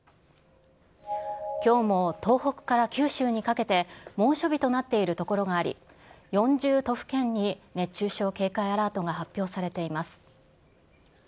きょうも東北から九州にかけて猛暑日となっている所があり、４０都府県に熱中症警戒アラートが発表されています。